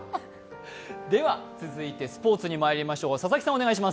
では続いてスポーツにまいりましょう。